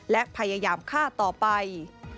และพยายามฆ่าต่อไป